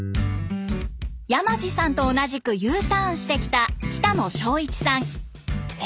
山地さんと同じくＵターンしてきた北野省一さん。